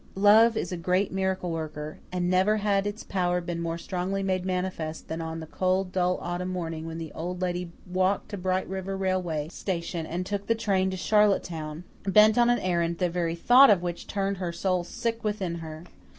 Love is a great miracle worker; and never had its power been more strongly made manifest than on the cold, dull autumn morning when the Old Lady walked to Bright River railway station and took the train to Charlottetown, bent on an errand the very thought of which turned her soul sick within her.